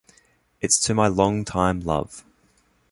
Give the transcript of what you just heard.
It's to my long-time love.